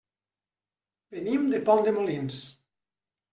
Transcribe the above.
Venim de Pont de Molins.